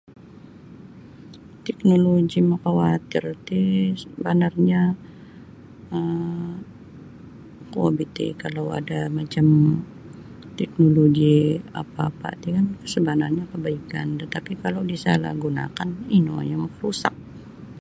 Teknologi makawatir ti sabanarnyo um kuo bah iti kalau ada macam teknologi apa-apa ti kan sabanarnya kabaikan da tapi kalau disalahgunakan ino yang maka rusak.